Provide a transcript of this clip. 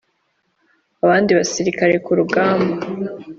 abandi basirikare ku rugamba